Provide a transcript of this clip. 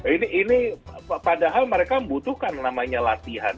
ini ini padahal mereka butuhkan namanya latihan